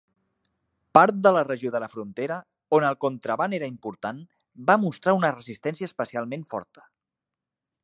Part de la regió de la frontera, on el contraban era important, va mostrar una resistència especialment forta.